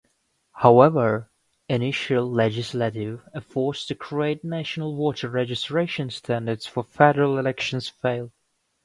However, initial legislative efforts to create national voter registration standards for federal elections failed.